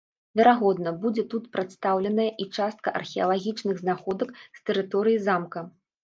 Верагодна, будзе тут прадстаўленая і частка археалагічных знаходак з тэрыторыі замка.